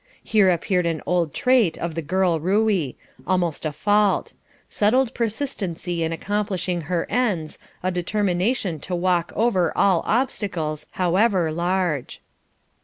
Here appeared an old trait of the girl Ruey almost a fault: settled persistency in accomplishing her ends, a determination to walk over all obstacles, however large.